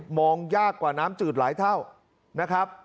มองยากกว่าน้ำจืดหลายเท่านะครับ